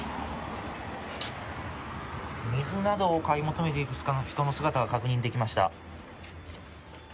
水などを買い求めていく人の姿が確認できました。